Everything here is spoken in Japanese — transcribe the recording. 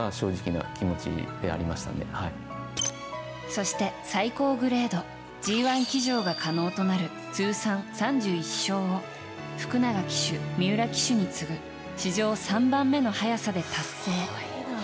そして、最高グレードＧ１騎乗が可能となる通算３１勝を福永騎手、三浦騎手に次ぐ史上３番目の早さで達成。